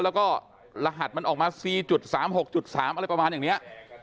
แล้วก็รหัสมันออกมา๔๓๖๓อะไรประมาณอย่างนี้